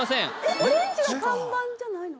オレンジの看板じゃないの？